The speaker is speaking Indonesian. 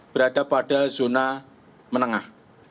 berada pada zona menengah